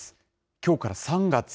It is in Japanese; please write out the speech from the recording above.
きょうから３月。